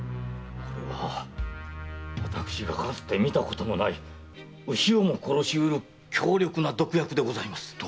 これは私がかつて見たこともない牛をも殺しうる強力な毒薬でございます。